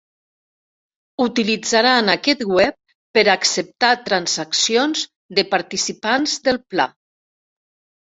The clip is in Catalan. Utilitzaran aquest web per acceptar transaccions de participants del pla.